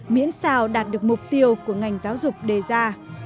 miễn sao đạt được mục tiêu của ngành giáo dục đề ra